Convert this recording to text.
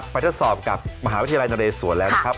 ไปทักสอบกับมหาวิทยาลัยนรสสวรรค์แล้วครับ